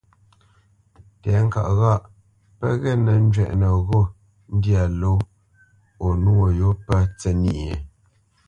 Tɛ̌ŋka ghâʼ pə́ ghê nə́ njwɛ́ʼnə ghô ndyâ ló o nwô yô pə́ tsə́nyê?